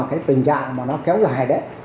cái tình trạng mà nó kéo dài đấy